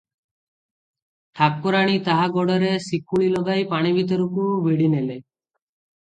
ଠାକୁରାଣୀ ତାହା ଗୋଡ଼ରେ ଶିକୁଳି ଲଗାଇ ପାଣିଭିତରକୁ ଭିଡ଼ିନେଲେ ।